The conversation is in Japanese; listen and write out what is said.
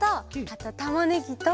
あとたまねぎと。